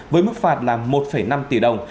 với mức phạt là một năm tỷ đồng